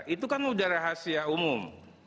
itu kan udara khasnya umum